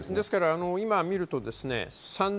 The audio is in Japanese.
今見ると３０００